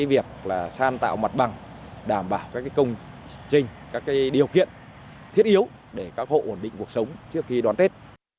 đồng thời huyện cũng đã chỉ đạo ngay việc sàn tạo mặt bằng đảm bảo các công trình các điều kiện thiết yếu để các hộ ổn định cuộc sống trước khi đón tết